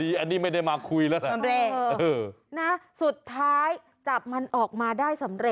โอ้โฮนี่มันโผ่หัวมาอีกแล้วใช่ค่ะโอ้โฮนี่มันโผ่หัวมาอีกแล้ว